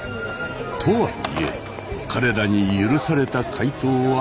とはいえ彼らに許された回答はただ一つ。